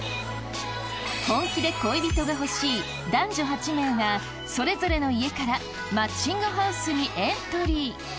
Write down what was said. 本気で恋人が欲しい男女８名がそれぞれの家から「マッチング♥ハウス」にエントリー。